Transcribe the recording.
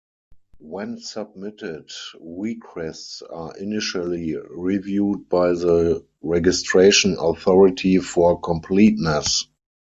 When submitted, requests are initially reviewed by the registration authority for completeness.